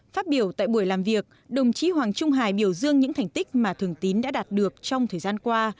phát biểu tại buổi làm việc đồng chí hoàng trung hải biểu dương những thành tích mà thường tín đã đạt được trong thời gian qua